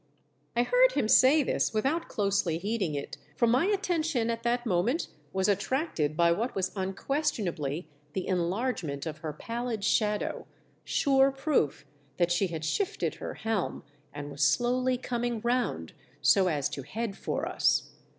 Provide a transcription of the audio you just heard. I heard him say this without closely heed ing it, for my attention at that moment was attracted by what was unquestionably the enlargement of her pallid shadow ; sure proof that she had shifted her helm and was slowly coming round so as to head for us.